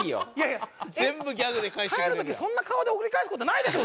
帰る時そんな顔で送り帰す事ないでしょ！